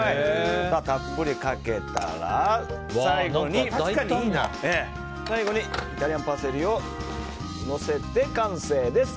たっぷりかけたら最後にイタリアンパセリをのせて完成です。